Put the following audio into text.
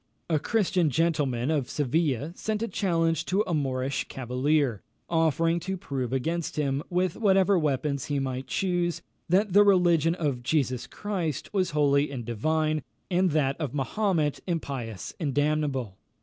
A Christian gentleman of Seville sent a challenge to a Moorish cavalier, offering to prove against him, with whatever weapons he might choose, that the religion of Jesus Christ was holy and divine, and that of Mahomet impious and damnable.